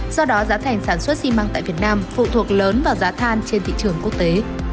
do đó giá thành sản xuất xi măng tại việt nam phụ thuộc lớn vào giá than trên thị trường quốc tế